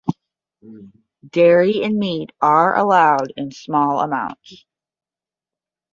Dairy and meat are allowed in small amounts.